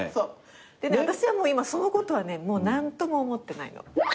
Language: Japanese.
私は今そのことはねもう何とも思ってないの。